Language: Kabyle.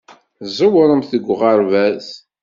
Ẓewrent deg uɣerbaz.